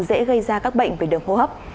dễ gây ra các bệnh về đường hô hấp